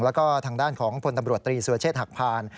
แล้วก็ทางด้านของพลตำรวจตรีสุรเชษฐหักพาน